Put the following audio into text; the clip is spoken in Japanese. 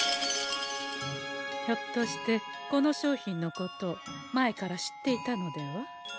ひょっとしてこの商品のこと前から知っていたのでは？